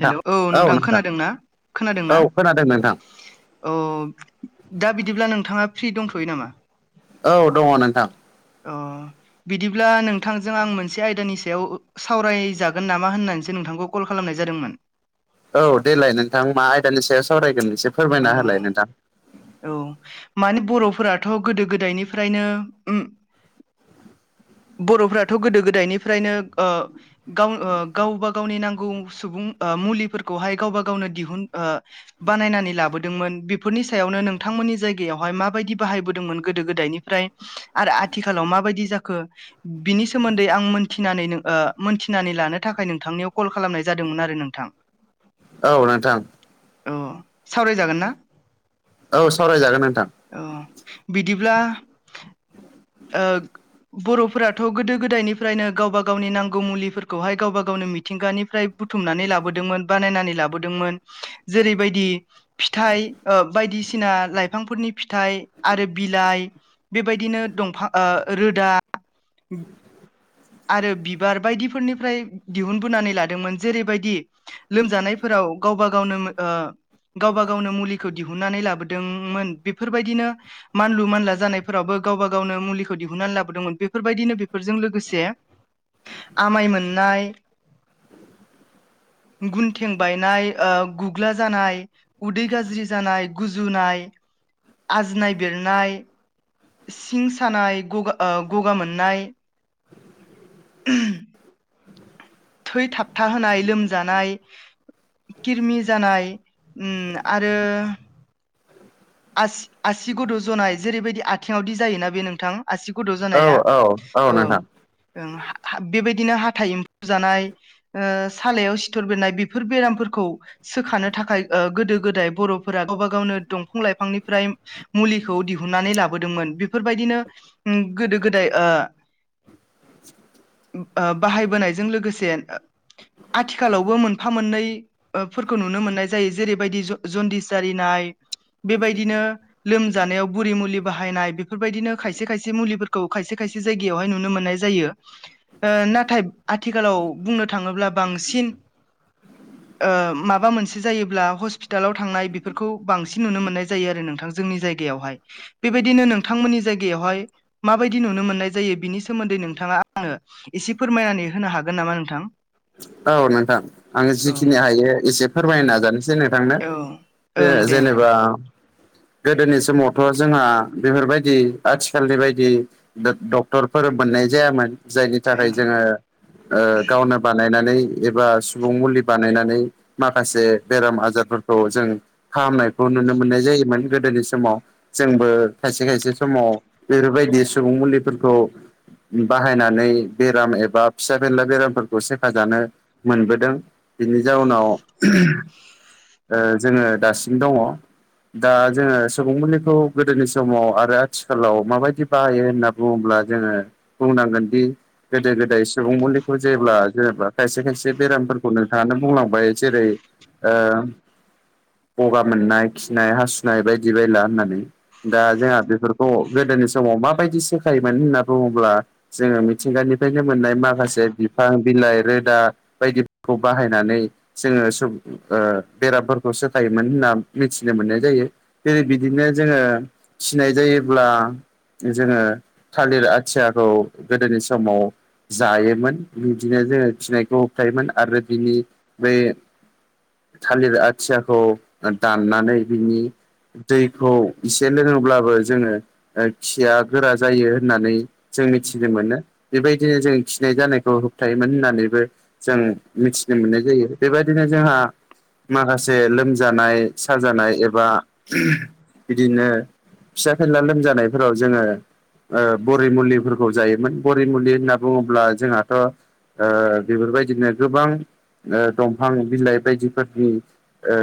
हेल' औ नोंथां खोनादोंना? खोनादों औ ना? खोनादों नोंथां औ दा बिदिब्ला नोंथाङा फ्रि दंथ'यो नामा? औ दङ नोंथां। अह बिदिब्ला नोंथांजों आं मोनसे आयदानि सायाव सावरायजागोन नामा होननानैसो नोंथांखौ कल खालामनाय जादोंमोन । औ देलाय नोंथां मा आयदानि सायाव सावरायगोन एसे अ फोरमायना होलाय नोंथां औ माने बर'फोराथ' गोदो गोदायनिफ्रायनो बर'फ्राथ' गोदो गोदायनिफ्रायनो ओ गाव गावबा गावनि नांगौ सुबुं मुलिफोरखौहाय गावबा गावनो दिहुन ओ बानायनानै लाबोदोंमोन बेफोरनि सायाव सायावनो नोंथांमोननि जायगायावहाय माबायदि बाहायबोदोंमोन गोदो- गोदायनिफ्राय आरो आथिखालाव माबायदि जाखो बिनि सोमोन्दै आं मोनथिनानै ओ मोनथिनानै लानो थाखाय नोंथांनियाव कल खालामनाय जादोंमोन आरो नोंथां। [inaudible] औ नोंथां। अ सावरायजागोन ना? औ सावरायजागोन नोंथां। औ बिदिब्ला ओ बर'फोराथ' गोदो गोदायनिफ्रायनो गावबा गावनि नांगौ मुलिफोरखौहाय गावबा गावनो मिथिंगानिफ्राय बुथुमनानै लाबोदोंमोन बानायनानै लाबोदोंमोन जेरैबायदि फिथाइ ओ बायदिसिना लाइफांफोरनि फिथाइ आरो बिलाइ बेबायदिनो दंफां ओ रोदा आरो बिबार बायदिफोरनिफ्राय दिहुनबोनानै लादोंमोन जेरैबायदि लोमजानायफोराव गावबा गावनो ओ गावबा गावनो मुलिखौ दिहुननानै लाबोदोंमोन बेफोरबायदिनो मानलु मानला जानायफोरावबो गावबा गावनो मुलिखौ दिहुननानै लाबोदोंमोन बेफोरबायदिनो बेफोरजों लोगोसे आमाय मोननाय गुन थें बायनाय ओ गुग्ला जानाय उदै गाज्रि जानाय गुजुनाय आरजिनाय बेरनाय सिं सानाय गगा ओ गगा मोननाय, [unintelligible] थै थाबथा होनाय लोमजानाय, किरमि जानाय ओम आरो आसि आसि गुद' जनाय जेरैबायदि आथिङावदि जायोना बे नोंथां आसि गोदौ औ जानाया औ औ नोंथां ओ बेबायदिनो हाथाइ एम्फौ जानाय ओ सालायाव सिथर बेननाय बेफोर बेरामफोरखौ सोखानो थाखाय गोदो गोदाय बर'फोरा गावबा गावनो दं । बिफां लाइफांनिफ्राय मुलिखौ दिहुननानै लाबोदोंमोन बेफोरबायदिनो गोदो गोदाय ओ बाहायबोनायजों लोगोसे आथिखालावबो मोनफा मोननै फोरफोरखौ नुनो मोननाय जायो जेरैबायदि जन्दिस जारिनाय बेबायदिनो लोमजानायाव बुरि मुलि बाहायनाय बेफोरबायदिनो खायसे खायसे मुलिफोरखौ खायसे खायसे जायगायावहाय नुनो मोननाय जायो । ओ नाथाय आथिखालाव बुंनो थाङोब्ला बांसिन ओ माबा मोनसे जायोब्ला हस्पिटालाव थांनाय बेफोरखौ बांसिन नुनो मोननाय जायो आरो नोंथां जोंनि जायगायावहाय बेबायदिनो नोंथांमोननि जायगायावहाय माबायदि नुनो मोननाय जायो बिनि सोमोन्दै नोंथाङा आंनो एसे फोरमायनानै होनो हागोन नामा नोंथां । औ नोंथां आं जिखिनि हायो एसे फोरमायनो नाजानि जों थांनो औ ओं दे जे-जेनेबा गोदोनि समावथ' जोंहा बेफोरबायदि आथिखालनि बायदि डक्टरफोर मोननाय जायामोन जायनि थाखाय जोङो गावनो बा बानायनै एबा सुबुं मुलि बानायनानै माखासे बेराम आजारफोरखौ जों फाहामनायखौ नुनो मोननाय जायोमोन गोदोनि समाव। जोंबो खायसे खायसे समाव बेफोरबायदि सुबुं मुलिफोरखौ बाहायनानै बेराम एबा फिसा फेनला बेरामफोर खौ सेफाजानो मोनबोदों बिनि जाउनाव जोङो दासिम दङ दा जोङो सुबुं मुलिखौ गोदोनि समाव आरो आथिखालाव माबायदि बाहायो होनना बुङोब्ला जोङो बुंनांगोन दि गोदो गोदाय सुबुं मुलिखौ जेब्ला जेनेबा खायसे-खायसे बेरामफोरखौ नोंथाङानो बुंलांबाय जेरै ओ गगा मोननाय खिनाय हासुनाय बायदि बायला होननानै। दा जोंहा बेफोरखौ गोदोनि समाव माबायदि सोखायोमोन होनना बुङोब्ला जोङो मिथिंगानिफ्रायनो मोननाय माखासे बिफां बिलाइ रो रोदा बायदिखौ बाहायनानै जोङो सुब ओ बेरामफोरखौ सोखायोमोन होनना मिथिनो मोननाय जायो। जेरै बिदिनो जोङो फखनाय जायोब्ला जोङो थालिर आथियाखौ गोदोनि समाव जायोमोन। बिदिनो जोङो गिनायखौ होबथायोमोन आरो बिनि बै थालिर आथियाखौ दाननानै बिनि दैखौ एसे लोङोब्लाबो जोङो खिया गोरा जायो होननानै जों मिथिनो मोनो। बेबायदिनो जों खिनाय जानायखौ होब थायोमोन होननानैबो जों मिथिनो मोननाय जायो। बेबायदिनो जोंहा माखासे लोमजानाय साजानाय एबा बिदिनो फिसा फेनला लोमजानायफोराव जोङो ओ बरि मुलिफोरखौ जायोमोन । बरि मुलि होनना बुङोब्ला जोंहाथ' ओ बेफोरबायदिनो गोबां ओ दंफां बिलाइ बायदिफोरनि ओ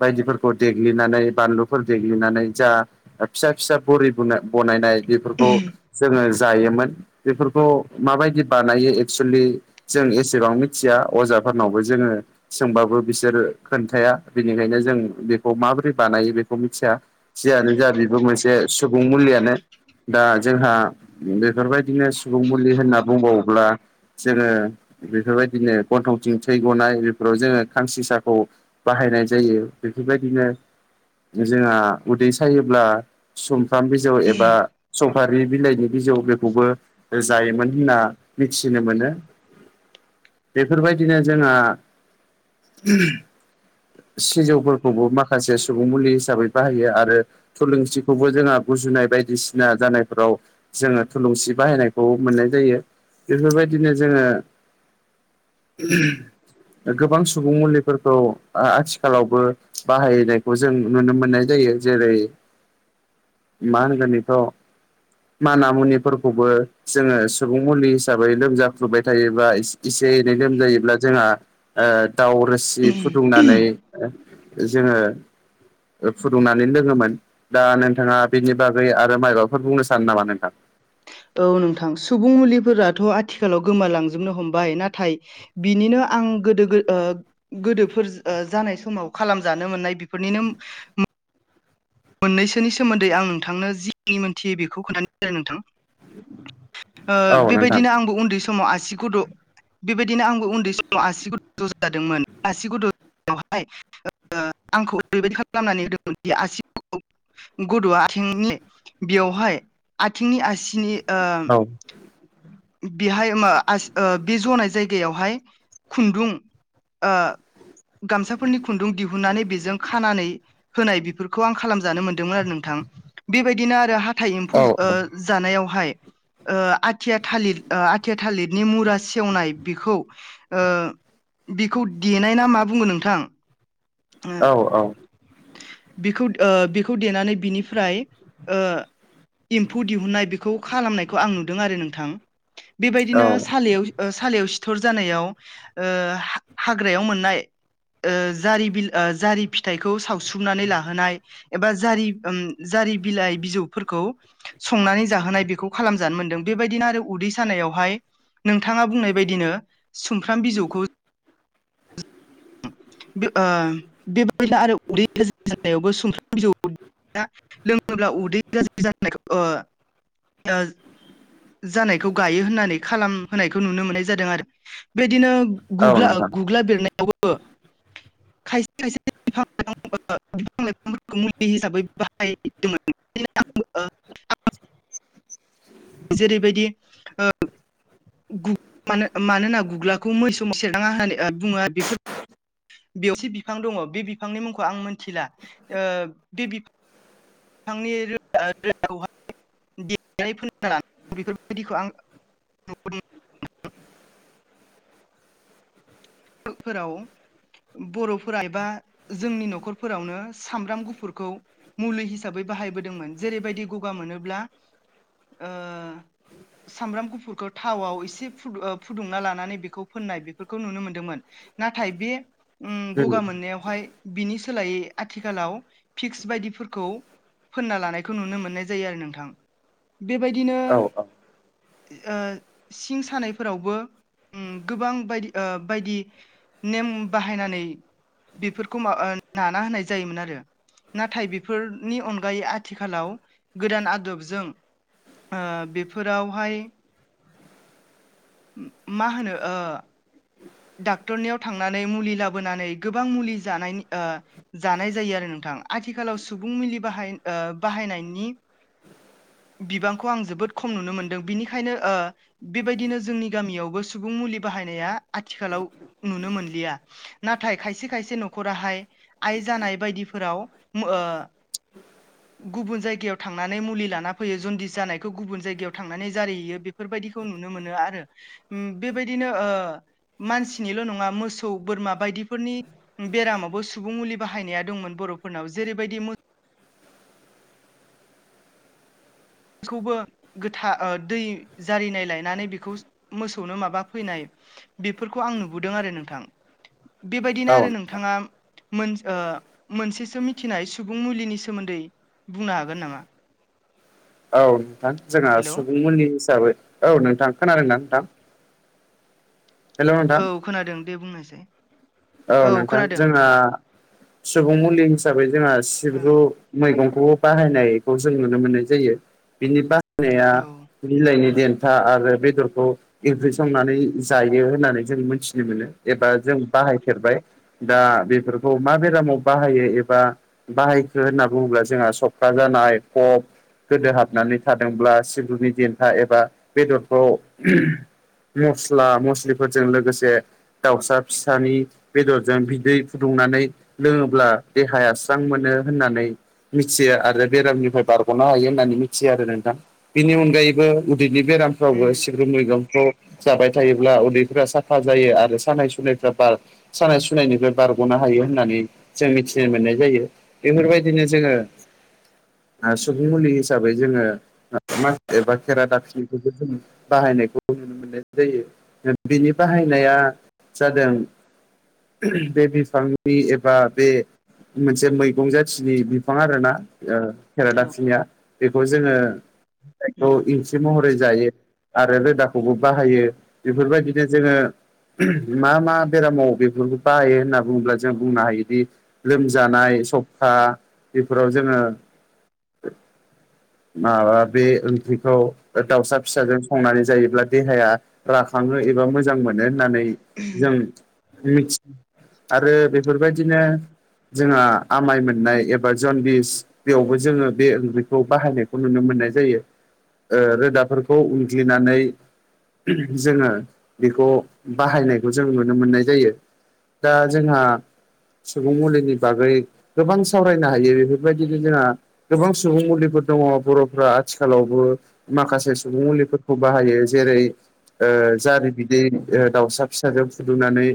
बायदिफोरखौ देग्लिनानै बानलुफोर देग्लिनानै जा फिसा-फिसा बरि ब बनायनाय बेफोरखौ जोङो जायोमोन बेफोरखौ माबायदि बानायो एक्सुेलि जों एसेबां मिथिया अजाफोरनावबो जोङो सोंबाबो बिसोर खोन्थाया बेनिखायनो जों बेखौ माबोरै बानायो बेखौ मिथिया। जियानो जा बिबो मोनसे सुबुं मुलियानो। दा जोंहा बेफोरबायदिनो सुबुं मुलि होनना बुंबावो अब्ला जोङो बेफोरबायदिनो गन्थंथिं थै गनाय बेफोराव जोङो खांसिसाखौ बाहायनाय जायो बेफोरबायदिनो जोंहा उदै सायोब्ला समफ्राम बि जौ एबा सफारि बिलाइनि बिजौ बेखौबो जायोमोन होनना मिथिनो मोनो ।बेफोरबायदिनो जोंहा [unintelligible] सिजौफोरखौबो माखासे सुबुं मुलि हिसाबै बाहायो आरो थुलुंथिखौबो जोंहा गुजुनाय बायदिसिना जानायफोराव जोङो थुलुंसि बाहायनायखौ मोननाय जायो। बेफोरबायदिनो जोङो गोबां सुबुं मुलिफोरखौ आथिखालावबो बाहायनायखौ जों नुनो मोननाय जायो। जेरै [unintelligible] मा होनगोन बेखौ माना मुनिफोरखौबो जोङो सुबुं मुलि हिसाबै लोमजाफ्लुबाय थायोब्ला एसे एनै लोमजायोब्ला जोंहा ओ दाउ रोसि फुदुंनानै औ जोङो फुदुंनानै लोङोमोन। दा नोंथाङा बिनि बागै आरो माइबाफोर बुंनो सानो नामा नों औ नोंथां सुबुं मुलिफोराथ' आथिखालाव गोमालांजोबनो हमबाय। नाथाय बिनिनो आं गोदो गो ओ गोदोफोर ओ जानाय समाव खालामजानो मोननाय बेफोरनिनो मो मोननैसोनि सोमोन्दै आं नोंथांनो जि मोनथियो बेखौ खोनथानि नोंथां ओ औ नोंथां बेबायदिनो आंबो उन्दै समाव आसि गद' बेबायदिनो आंबो उन्दै समाव आसि गज' जादोंमोन। आसि गद'आवहाय ओ ओ आंखौ बेबायदि खालामनानै होदोंमोनदि आसि गद'आ आथिंनिले बेवहाय आथिंनि आसिनि ओ औ बेहाय मो आसि ओ बे जनाय जायगायावहाय खुन्दुं ओ गामसाफोरनि खुन्दुं दिहुन्नानै बेजों खानानै होनाय बेफोरखौ आं खालामजानो मोन्दोंमोन आरो नोंथां। बेबायदिनो आरो हाथाइ एम्फौ औ ओ जानायावहाय ओ आथिआ थालिर ओ आथिया थालिरनि मुरा सेवनाय बेखौ ओ बेखौ देनाय ना मा बुङो नोंथां‌। औ औ। बेखौ ओ बेखौ देनानै बिनिफ्राय ओ एम्फौ दिहुननाय बेखौ खालामनायखौ आं नुदों आरो नोंथां। औ बेबायदिनो सालायाव ओ सालायाव सिथर जानायाव ओ हा-हाग्रायाव मोननाय ओ जारि बिल जारि फिथाइखौ सावस्रुमनानै लाहोनाय एबा जारि ओम जारि बिलाइ बिजौफोरखौ संनानै जाहोनाय बेखौ खालामजानो मोन्दों। बेबायदिनो आरो उदै सानायावहाय नोंथाङा बुंनाय बायदिनो सुमफ्राम बिजौखौ ओ बे [unintelligible] उदै गाज्रि जानायावबो सुमफ्राम बिजौ [unintelligible] लोङोब्ला उदै गाज्रि जानायखौ ओ ओ जानायखौ गायो होननानै खालाम होनायखौ नुनो मोननाय जादों आरो। बेदिनो औ गुग्ला नोंथां गुग्ला बेरनायावबो खायसे खायसे बिफां-लाइफां ओ बिफां-लाइफांफोरखौ मुलि हिसाबै बाहायदोंमोन। ओ [inaudible] जेरैबायदि ओ गु मानो-मानोना गुग्लाखौ मैसोम सेरनाङा ओ होननानै बुङो आरो बेफोर बेवसे बिफां दङ बे बिफांनि मुंखौ आं मोनथिला। ओ बे बिफां नि रोदा-रोदाखौहाय देनानै फोनना लानांगौ बेफोरबायदिखौ आं फोराव बर'फोरा एबा जोंनि न'खरफोरावनो सामब्राम गुफुरखौ मुलि हिसाबै बाहायबोदोंमोन। जेरैबायदि गगा मोनोब्ला ओ सामब्राम गुफुरखौ थावआव एसे फुदु-ओ-फुदुंना लानानै बेखौ फोननाय बेफोरखौ नुनो मोन दोमोन। नाथाय बे उम गगा मोननायावहाय बिनि सोलायै आथिखालाव फिक्स बायदिफोरखौ फोनना लानायखौ नुनो मोननाय जायो आरो नोंथां। बेबायदिनो औ ओ सिं सानायफोरावबो उम गोबां बायदि ओ बायदि नेम बाहायनानै बेफोरखौ मो ओ नाना होनाय जायोमोन आरो। नाथाय बेफोरनि अनगायै आथिखालाव गोदान आदबजों ओ बेफोरावहाय [inaudible] म-मा होनो ओ डाक्टरनियाव थांनानै मुलि लाबोनानै गोबां मुलि जानायनि जानाय जायो आरो नोंथां आथिखालाव सुबुं मलि बाहाय बाहायनायनि बिबांखौ आं जोबोद खम नुनो मोनदों बिनिखायनो बेबायदिनो जोंनि गामियावबो सुबुं मुलि बाहायनाया आथिखालाव नुनो मोनलिया नाथाय खायसे खायसे न'खराहाय आइ जानाय बायदिफोराव मो ओ गुबुन जायगायाव थांनानै मुलि लाना फैयो जनदिस जानायखौ गुबुन जायगायाव थांनानै जारिहैयो बे बेफोरबायदिखौ नुनो मोनो आरो। उम बेबायदिनो ओ मानसिनिल' नङा मोसौ बोरमा बायदिफोरनि बेरामावबो सुबुं मुलि बाहायनाया दंमोन बर'फोरनाव जेरैबायदि बेखौबो गोथार ओ दै जारिनाय लायनानै बेखौ मोसौनो माबा फैनाय बेफोरखौ आं नुबोदों आरो नोंथां बेबायदिनो औ आरो नों औ नोंथाङा मोन ओ मोनसेसो मिथिनाय सुबुं मुलिनि सोमोन्दै बुंनो हागोन नामा? औ नोंथां जोंहा हेलौ सुबुंमोननि हिसाबै औ नोंथां खोनादोंनाा नोंथां हेल' औ नोंथां खोनादों दे बुंनायसाय औ नोंथां जोंहा सुबुं मुलि हिसाबै जोंहा सिब्रु ओं मैगंखौबो बाहायनायखौ जों नुनो मोननाय जायो बिनि बा औ बिलाइनि देन्था आरो बेदरखौ ओंख्रि संनानै जायो होननानै जों मोनथिनो मोनो एबा जों बाहाय फेरबाय दा बेफोरखौ मा बेरामाव बाहायो एबा बाहायखो होनना बुङोब्ला जोंहा सख्रा जानाय खफ गोदो हाबनानै थादोंब्ला सिगुनि देन्था एबा बेदरखौ मस्ला मस्लिफोरजों लोगोसे दाउसा फिसानि बेदरजों बिदै फुदुंनानै लोङोब्ला देहाया स्रां मोनो होननानै मिथियो आरो बेरामनिफ्राय बारग'नो हायो होननानै मिथियो आरो नोंथां बेनि अनगायैबो उदैनि बेरामफ्रावबो उम सिब्रु मैगंखौ जाबाय थायोब्ला उन्दैफ्रा साफा जायो आरो सानाय सुनायफ्रा बार सानाय सुनायनिफ्राय बारग'नो हायो होननानै जों मिथिनो मोननाय जायो। बेफोरबायदिनो जोङो ओ सुबुं मुलि हिसाबै जोङो [unintelligible] एबा खेरा दािनिखौबो जों बाहायनायखौ नुनो मोननाय जायो बिनि बाहायनाया जादों बे बिफांनि एबा बे मोनसे मैगं जाथिनि बिफां आरोना खेरादाफिनिया बेखौ जोङो महरै जायो आरो रोदाखौबो बाहायो बेफोरबायदिनो जोङो मा मा बेरामाव बे बेफोरखौ बाहायो होनना बुङोब्ला जों बुंनो हायोदि लोमजानाय सखा बेफोराव जोङो [inaudible] माबा बे ओंख्रिखौ दाउसा फिसाजों संनानै जायोब्ला देहाया राखाङो एबा मोजां मोनो होननानै उम जों मिथि आरो बेफोरबायदिनो जोंहा आमाय मोननाय एबा जनबिस बेयावबो जोङो बे ओंख्रिखौ बाहायनायखौ नुनो मोननाय जायो। ओ रोदाफोरखौ उनग्लिनानै जोङो बेखौ बाहायनायखौ जों नुनो मोननाय जायो दा जोंहा सुबुं मुलिनि बागै गोबां सावरायनो हायो बेफोरबायदिनो जोंहा गोबां सुबुं मुलिफोर दङ बर'फ्रा आथिखालावबो माखासे सुबुं मुलिफोरखौ बाहायो जेरै ओ जारि बिदै दाउसा फिसाजों फुदुंनानै